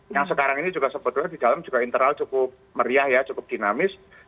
yang sekarang ini juga sebetulnya di dalam juga internal cukup meriah ya cukup dinamis